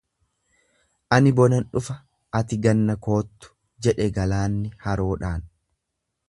Ani bonan dhufa, ati ganna koottu, jedhe galaanni haroodhaan.